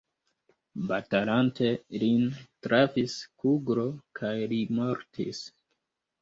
Batalante lin trafis kuglo kaj li mortis.